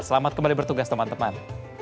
selamat kembali bertugas teman teman